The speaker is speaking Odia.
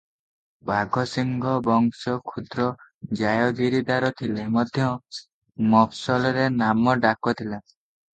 ବାଘସିଂହ ବଂଶ କ୍ଷୁଦ୍ର ଜାୟଗିରିଦାର ଥିଲେ ମଧ୍ୟ ମଫସଲରେ ନାମ ଡାକ ଥିଲା ।